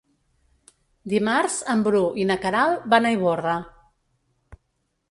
Dimarts en Bru i na Queralt van a Ivorra.